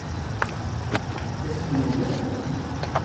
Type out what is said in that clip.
Est-ce qu’on l’enlevait ?